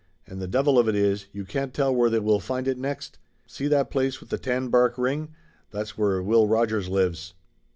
And the devil of it is, you can't tell where they will find it next. See that place with the tan bark ring? That's where Will Rogers lives."